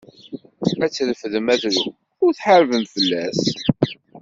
Ad trefdem adrum u ad tḥarbem fell-as.